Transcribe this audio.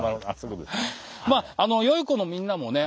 よい子のみんなもね